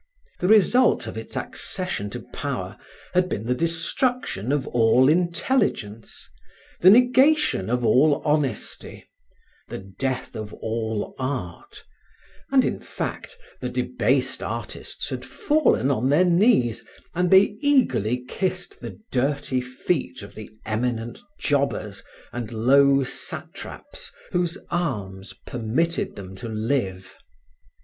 The result of its accession to power had been the destruction of all intelligence, the negation of all honesty, the death of all art, and, in fact, the debased artists had fallen on their knees, and they eagerly kissed the dirty feet of the eminent jobbers and low satraps whose alms permitted them to live.